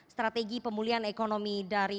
strategi pemulihan ekonomi dari